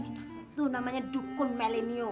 itu namanya dukun millennium